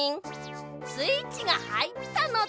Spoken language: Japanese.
スイッチがはいったのだ。